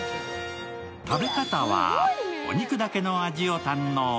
食べ方はお肉だけの味を堪能。